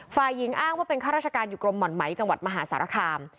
ฝ่ายหญิงอ้างว่าเป็นข้าราชการอยู่กรมหม่อนไหมจังหวัดมหาสารคาม